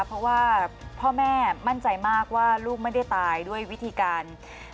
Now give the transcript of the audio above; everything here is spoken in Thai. เพราะว่าพ่อแม่มั่นใจมากว่าลูกไม่ได้ตายด้วยวิธีการ